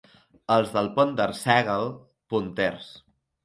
Els del Pont d'Arsèguel, ponters.